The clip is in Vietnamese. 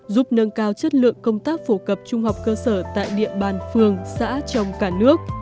giúp nâng cao chất lượng công tác phổ cập trung học cơ sở tại địa bàn phường xã trong cả nước